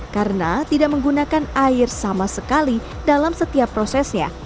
karena tidak menggunakan air sama sekali dalam setiap prosesnya